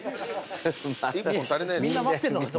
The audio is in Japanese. みんな待ってんのかと。